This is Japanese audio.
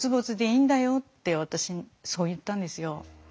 私にそう言ったんですよ。